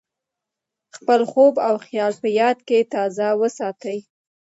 خپل خوب او خیال په یاد کې تازه وساتئ.